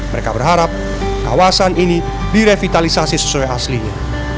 mereka berharap kawasan ini direvitalisasi sesuai aslinya